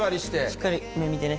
しっかり目見てね。